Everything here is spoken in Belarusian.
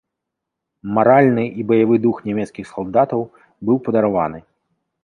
Маральны і баявы дух нямецкіх салдатаў быў падарваны.